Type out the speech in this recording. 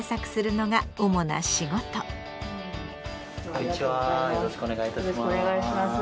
こんにちはよろしくお願いいたします。